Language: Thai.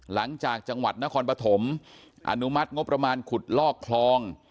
หลังจากจังหวัดนครปฐมอนุมัติงบประมาณขุดลอกคลอง